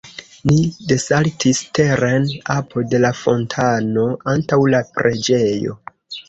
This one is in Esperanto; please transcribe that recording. Ni desaltis teren apud la fontano, antaŭ la preĝejo.